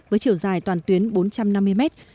với chiều dài toàn tuyến bốn trăm năm mươi mét